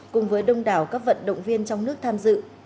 cùng với đông đảo các vận động viên trong nước tham dự